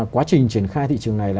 quá trình chuyển khai thị trường này